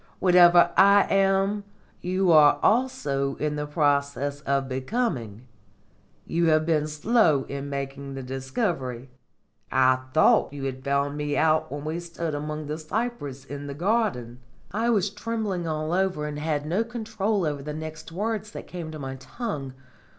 Whatever I am, you are also in process of becoming. You have been slow in making the discovery. I thought you had found me out when we stood among the cypress in the garden." I was trembling all over and had no control over the next words that came to my tongue.